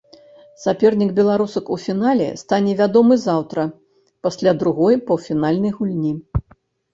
Сапернік беларусак у фінале стане вядомы заўтра пасля другой паўфінальнай гульні.